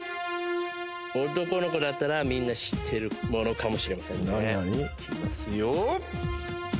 男の子だったらみんな知ってるものかもしれませんねいきますよ